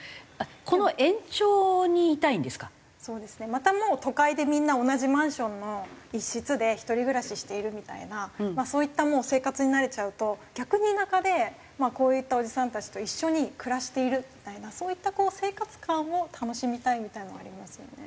またもう都会でみんな同じマンションの一室で一人暮らししているみたいなそういった生活に慣れちゃうと逆に田舎でまあこういったおじさんたちと一緒に暮らしているみたいなそういった生活感を楽しみたいみたいなのありますよね。